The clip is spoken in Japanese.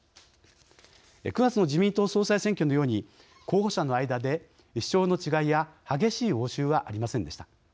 ９月の自民党総裁選挙のように候補者の間で主張の違いや激しい応酬はありませんでした。